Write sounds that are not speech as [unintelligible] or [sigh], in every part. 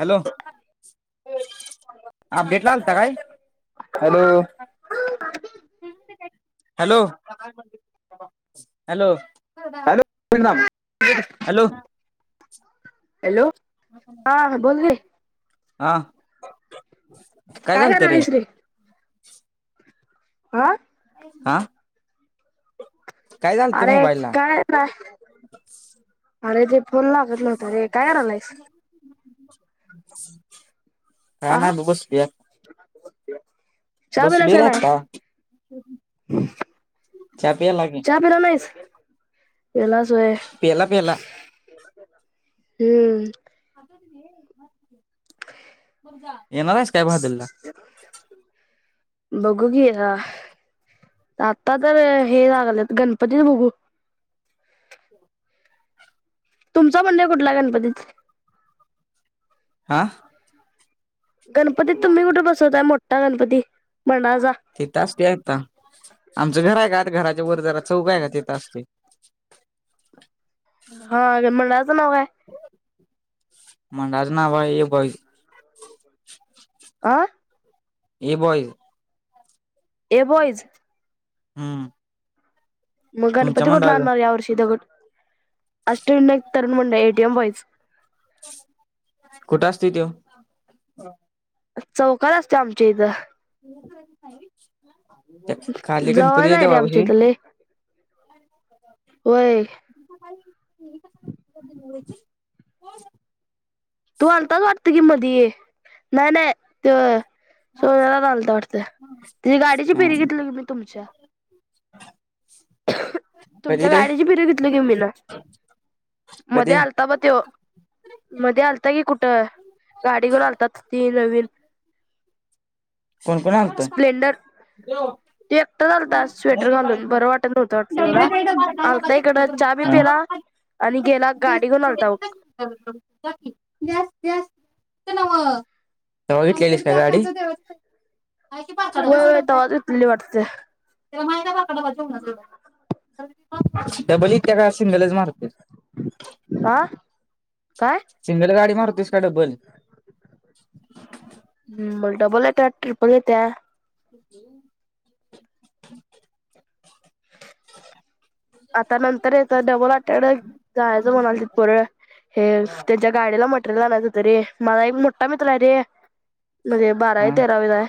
Hello अपडेटला आलता काय हॅलो! Hello hello! हॅलो परिणाम हॅलो! हॅलो हा बोल गे हा काय झालं त रे आ? आ? अरे मोबाईलला काय नाय अरे ते फोन लागत नव्हत रे काय करालायस काय आ नाय बसलोया [unintelligible] पिलास बसलोय का रे नाही आता चहा प्यायला की चहा पिला नाहीस? जेवलास होय प्याला प्याला हम्म येणार आहेस काय बहादुलला बघु घी आता तर हे लागलं गणपती बघू तुमचा मंडळ कुठला गणपती? आ. गणपती तुम्ही कुठे बसवताय मोठा गणपती मंडळाचा तिथं असतेय आता आमचं घर आहे का आता घराच्या वरजारा चौघ आहे का तिथं असते हा अगर मडळाचं नाव काय? [inaudible] आ. ए बोय ए बॉईज? हम्म. तुमच्या मंडळाचं [inaudible] [inaudible] कुठं असतय तो चौकात असते आमच्या इथं खाली जवळच गणपती आहे रे आमच्या देवळापशी इथं लय [unintelligible] होय. [unintelligible] तू अलताच वाटत की मधी नाही नाही ते सोन्याला चालत वाटत त गाडीची फेरी घेतली मी तुमच्या हा. [inaudible] कधी रे मध्ये कधी आलता बा तो मध्ये आलता कि कुठं गाडी घेऊन आलतात ती नवीन कोण कोण आलत? तू एकटा चालता स्वेटर घालून बरं वाटत नव्हतं वाट तला आलता इकडं चहा बी पिला आणि गेला गाडी घेऊन आलता बघ बघितलेलीस काय गाडी? [inaudible] [inaudible] पहिलेच मारताय, हा काय सिंगल गाडी मारताय डबल मग डबल येत्या ट्रिपल येत्या. [inaudible] आता नंत तर तर डबल आटड जायचं म्हणाल तर हे हा त्याच्या गाडीला म्हट ला ना त तरी मलाई मुठा मतला रे म्हणजे बारा आहे तेरावेलाय!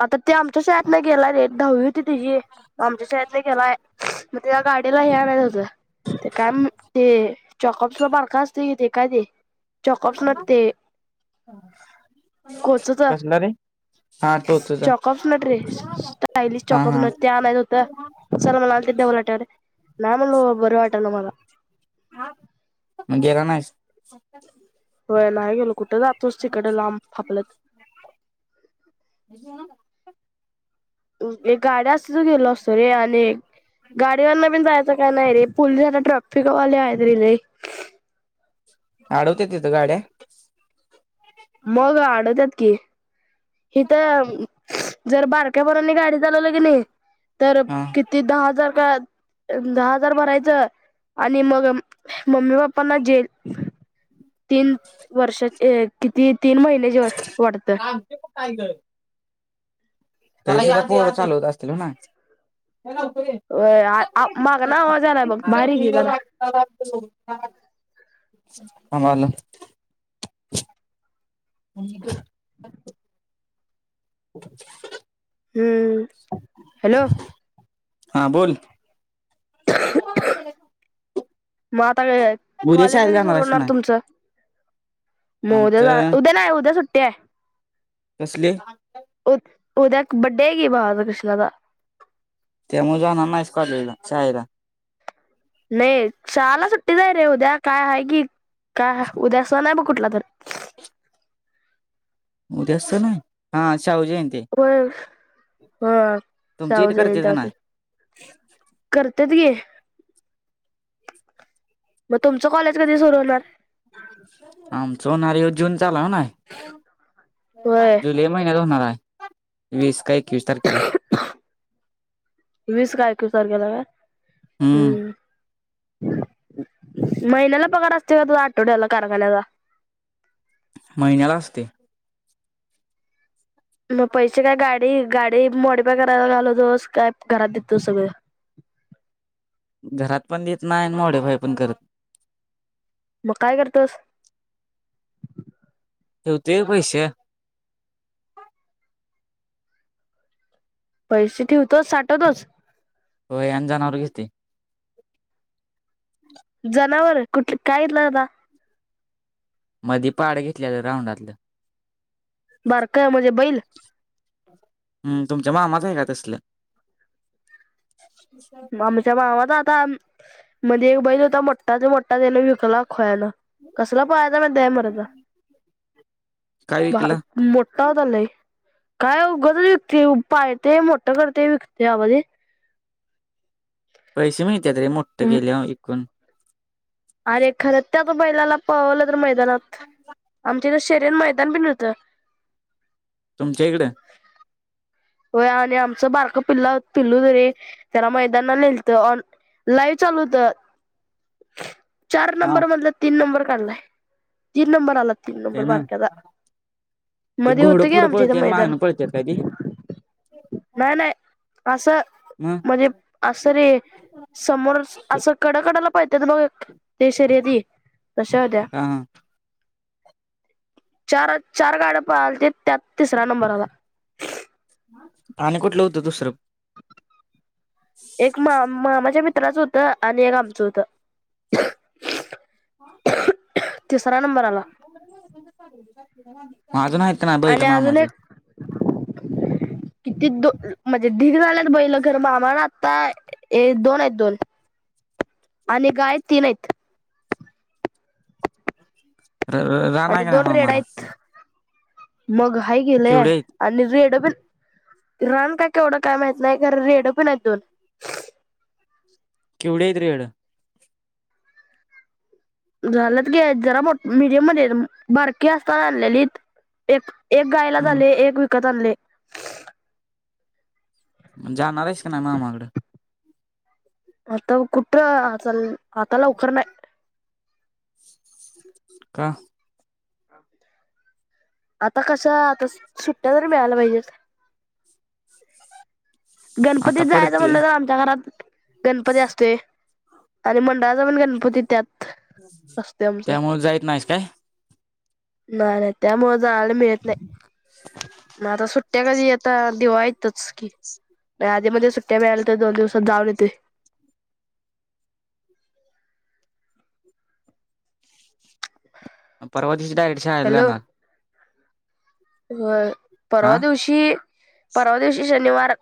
आता ते आमच्या शाळेत नाही गेलाय रेट दहावी होती त्याची आमच्या शाळेत नाही गेलाय [unintelligible] मग त्या गाडीला याच होतं, ते काय ते... चॉकप्स बारकाा असत येते काय ते चॉकप्स न ते [inaudible] [unintelligible] कसला रे हा टोचूचा चॉकप नट रे स्टायलिश हा चॉकप हा नट त्या नाहीत होत सलमानलाल [inaudible] वल वाटव नाही [inaudible] म्हला बर वाटा ना मला मग गेला नाहीस? होय नाही गेल कुठे तर तच तिकड लांब फापलत [unintelligible] एक गाड्या असत त गेलो असतो रे आणि गाडीवरना पिण जाय [inaudible] काय नाही रे पोलिसांना ट्रॅफिकवाले आहेत रेले आडवते तथ गाड्या मग आडवतात की! हिथ जर [inaudible] बारक्यापरनी गाडी चालवलं की नाही तर हा किती दहा हजार का [unintelligible] दहा हजार भरायचं आणि मग मम्मी पप्पांना जेल [inaudible] तीन वर्षा किती तीन महिन्याची वाढत टायगर चालूत [unintelligible] असतील हो ना व [unintelligible] माग ना मजला आहे बघ भारी गी जरा हॅलो हॅलो हम्म हॅलो हा बोल मग आता काय उद्या कॉलेज शाळेला कधी जाणार सुरू आहेस का होणार नाही तुमचं मग [inaudible] उद्या आमचं उद्या नाही उद्या सुट्ट्या कसले उद्या बडे आहे की बाज कृष्णा दादा तेमुळेजणार नाहीस कॉलेजला शाळेला नाही शाला सुट्टी नाय य रे उद्या काय आहे की काय उद्या अस नाही ब कुठला तर [unintelligible] उद्या सन आहे हा शाहू जयंती आहे होय हा शाहू करतेत जयंती का आहेत नाही? वाटत करतत गे मग तुमचं कॉलेज कधी सुरू होणार आमच होणार यो जून चालाव ना होय जुलै महिन्यात होणार आहे वीस का एकवीस तारखेला वीस काय एकवीस तारखेला का हम्म [unintelligible] महिन्याला पगार असते का तुझ आठवड्याला कारखान्याचा महिन्याला असते मग पैसे काय गाडी गाडी मोडीपाय करायला घालवतोस काय घरात देतो सगळं घरात पण देत नाही मोडे भाई पण करत मग काय करतोस हेट कैसे पैसे ठेवतोच साठवतोच हो आण जाणारवर घिसती [unintelligible] जनावर कुठ कायल आता मधी पाड घेतलेलं राऊंडातलं बर काय म्हणजे बैल हम्म तुमच्या मामा चे आहे हे का असलं अमच्या मावा द [unintelligible] म्हणजे एक बैल होता मो्टा ते मो्टा त्यान विकला खोयला कसला पहायचा म द मरायचा काय विकला? मोठ होतय काय उगच विकते पायते मोठं करते विकते आवा पैसे माहती रे मोठे केेले इकून अरे खरं त्यात बैलाला पावलं तर मैदानात आ शरीयन मैदान पिनत तुमच्या इकडे हो आणि आमचं बारक पिल्ल पिल्लू जरे त्याला मैदाना नलत लाईव चालू होत चार हा नंबर मधलं तीन नंबर काढलाय तीन नंबर आला तीन ते नंबर ना बारक्याचा ते मध्ये होत घोडं गे पुढं आमच्या इथ पळते आणि मैदान मागणं पळत्यात काय ते नाही नाही असं मग म्हणजे असं रे समोर असं हा कडकडाला पाहित बघ त कश द्या हा चार चार गाड्या पालत त्यात तिसऱ्या नंबरला पाणी कुठलं होतं दुसरं एक मा मा माझ्या मित्राचं होतं आणि एक आमचं होत हा माझं मात ना बलं आणि मा अजून माझं एक किती दो म्हणजे ढीग झाल्यात बैलं घर मामा ना आता हे दोन आहेत दोन आणि गाय तीनत र रान आणि आहे का नाही दोन रेड मामाला आहेत मग हा गेलंय केवढे आहेत आणि रेड पण रन काय केवढं काय माहत नाही खर रेड पण आहेत दोन केवढ्या येत रेड झालंत घे जरा मो मडियम मध्ये बारकी असता रालेली एक एक गायला आले हम्म एक विकत आणले जाणार आहेस काी नाही मा मामाकडं आता कुठ आ आता लवकर नाही का आता कस आता सुट्ट्या तरी मिळायला पाहिजे गणपतीत आता जायचं पडते म्हणलं तर आमच्या घरात गणपती असते आणि मंडळाचा पण गणपती त्यात असते आमचा त्यामु जायत नाहीस काय नाही नाही त्यामुळ जायला मिळत नाही म आता सुट्ट्या कधी येत आताधवा्हा यतच की नाही आधीमध्येध्ये सुट्ट्या मिळाल्या तर दोन दिवसात जाऊन येते परवातीची डायट शायला जाणार अ परवा हा दिवशी परवा दिवशी शनिवार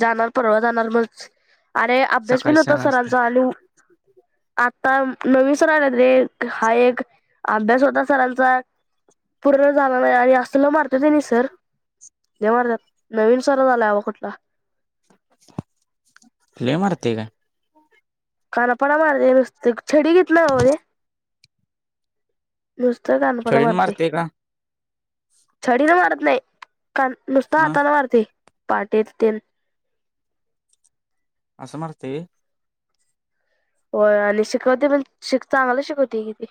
जाणार परवा जाणार मग अरे अभ्यास बी सकाळी न होता शाळा असते सरांचा आलू आता नवीन सर आला रे हा एक अभ्यास होता सरांचा पुढे जाणार नाही आणि त तलं मारत ते नि सर ते मारतात नवीन सर झाला हवा कुठला हे मते का खाना पडा मारते नुसते छडी किितनाज नुसतं कानपणा छडीन मारते का डी ना मारत नाही का नुसत मग हाताान मारती पाटेत ते असमर्थे हो आणि शिकवते पण श चांगलं शिकवते किती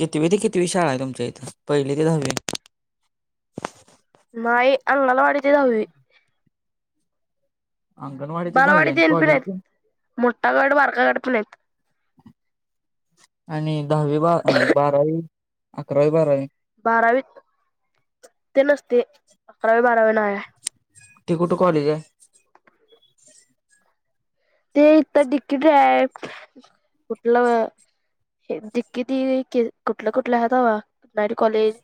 किितवी ते किितवी शाळा आहे तुमच्या इथं पहिली ते दहावी नाहीई अणाला वाडीच जाऊवी अंगणवाडीच्या बालवाडी दहावी्या आणि तेन पण आहेत कॉलेज मोठा गड वारकागड पण येत आणि दहावी ब बारावी अकरावी बारावी बारावी ते नसते अकरावी बारावी ना त कुठे कॉलेज आहे ते इथ तिकीट आहे कुठलं हे दििक्की त कुठलं कुठल्या आहातवा करी कॉलेज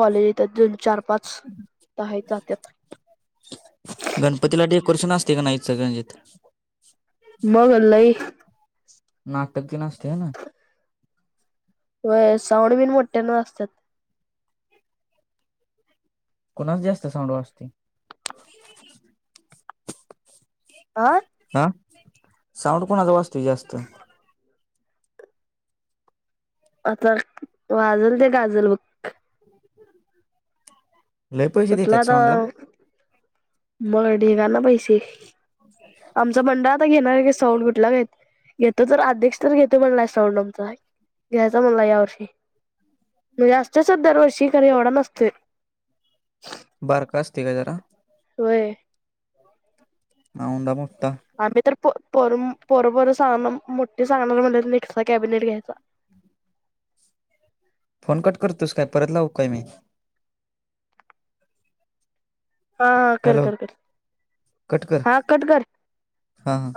कॉलेज येतात दोन चार पाच त जातात र्ष असते का नाहीज मगलई नाटक दि न असते ह ना व साऊड बिन मोठ्याना असतात कुणाच जास्त साऊंड वाशते आं हा साऊंड कोणा वाचतोय जास्त आता वाजल ते गाजल बघ लय पैसे कुठला देत आता साऊंडला मग ठठीक ना पैसे आमचा बंडा आता घेणार साऊंड कुठला घेत घेत तर आधेक्ष तर घेते म्हण साऊंड आमच घ्यायचा मला यावर्षी े जास्तच दरवर्षी घरी एवढा नसत बारखस् आहे का जरा हो हा द म आ म तरर पपर सांग मोठे सांगणार म्हणज म कॅबिनेट घ्यायचा फोन कट करतुस काय परत लावू काय मी हा हा कर हॅलो कर कर कट कर हा कट कर हा हा